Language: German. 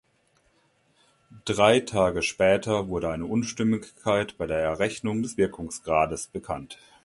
Drei Tage später wurde eine Unstimmigkeit bei der Errechnung des Wirkungsgrades bekannt.